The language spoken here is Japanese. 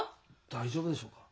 大丈夫でしょうか？